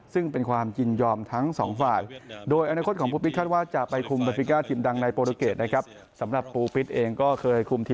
ซึ่งเป็นความยินยอมทั้งสองฝ่าย